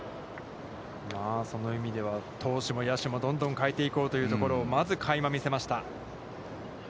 その意味では、投手も野手も、どんどん代えていこうというところをまず、かいま見せました。